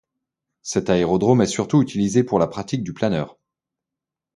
Cet aérodrome est surtout utilisé pour la pratique du planneur.